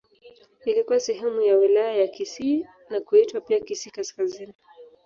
Ilikuwa sehemu ya Wilaya ya Kisii na kuitwa pia Kisii Kaskazini.